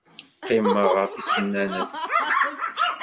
Qqimeɣ ɣef yisennanen.